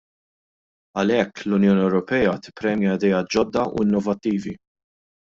Għalhekk, l-Unjoni Ewropea tippremja ideat ġodda u innovattivi.